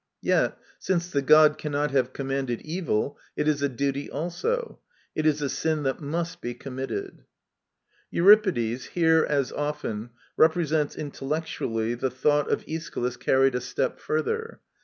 Yet, since the god cannot have commanded evil, it is a duty also. It is a sin that must be committed. Euripides, here as often, represents intellectually the thought of Aeschylus carried a step further.